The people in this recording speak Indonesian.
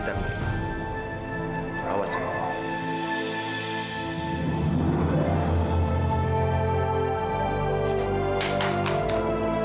sampai jumpa lagi